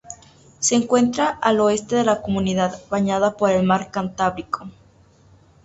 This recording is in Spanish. Se encuentra al oeste de la Comunidad, bañada por el Mar Cantábrico.